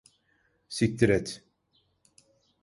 Siktir et.